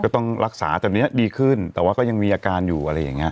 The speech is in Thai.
ก็ต้องรักษาแต่เนี้ยดีขึ้นแต่ว่าก็ยังมีอาการอยู่อะไรอย่างเงี้